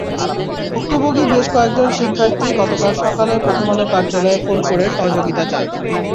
ভুক্তভোগী বেশ কয়েকজন শিক্ষার্থী গতকাল সকালে প্রথম আলো কার্যালয়ে ফোন করে সহযোগিতা চান।